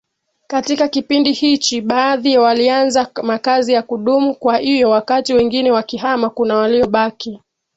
Katika kipindi hichi baadhi walianza makazi ya kudumu kwaiyo wakati wengine wakihama kuna waliobaki